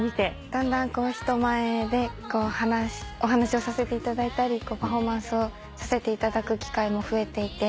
だんだん人前でお話をさせていただいたりパフォーマンスをさせていただく機会も増えていて。